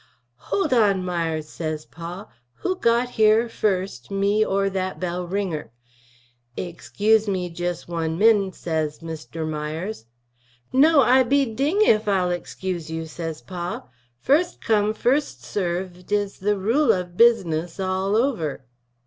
Hold on Mires says Pa, who got here 1st, me or that bell wringer. Igscuse me just 1 min. says Mr. mires. No I be ding if Ile igscuse you says Pa, 1st come 1st served is the rool of bizness all over.